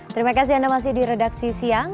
terima kasih anda masih di redaksi siang